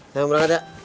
selamat datang kak